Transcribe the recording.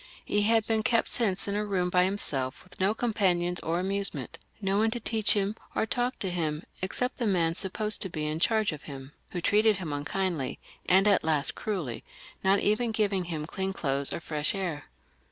He had been kept since in a room by himself with no companions or amusement — ^no one to teach him or talk to him except the man supposed to be in charge of him, who treated him unkindly, and at last cruelly, not even giving him clean clothes or fresh air.